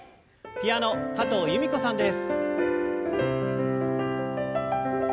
ピアノ加藤由美子さんです。